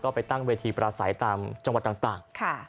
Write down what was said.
ไปตั้งเวทีปราศัยตามจังหวัดต่าง